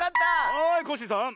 はいコッシーさん。